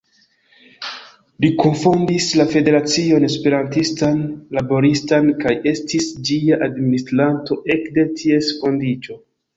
Li kunfondis la Federacion Esperantistan Laboristan kaj estis ĝia administranto ekde ties fondiĝo.